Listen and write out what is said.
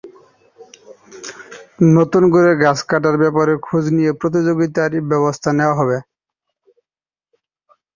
নতুন করে গাছ কাটার ব্যাপারে খোঁজ নিয়ে প্রয়োজনীয় ব্যবস্থা নেওয়া হবে।